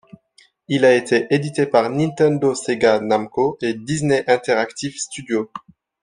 Il a été édité par Nintendo Sega Namco et Disney Interactive Studios.